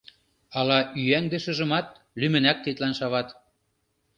Ала ӱяҥдышыжымат лӱмынак тидлан шават.